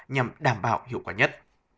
nhằm đảm bảo hiệu quả nhất